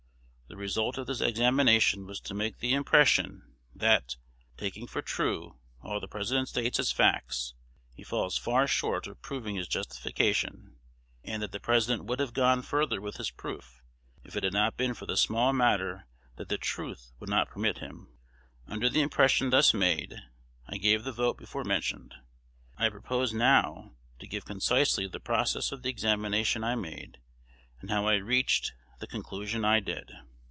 The result of this examination was to make the impression, that, taking for true all the President states as facts, he falls far short of proving his justification; and that the President would have gone further with his proof, if it had not been for the small matter that the truth would not permit him. Under the impression thus made, I gave the vote before mentioned. I propose now to give concisely the process of the examination I made, and how I reached the conclusion I did.